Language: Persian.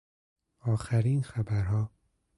آخرین خبرها